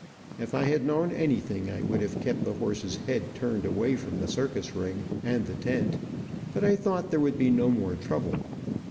If I had known anything, I would have kept the horse's head turned away from the circus ring, and the tent, but I thought there would be no more trouble.